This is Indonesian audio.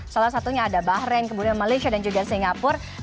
salah satunya ada bahrain kemudian malaysia dan juga singapura